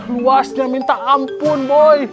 luasnya minta ampun boy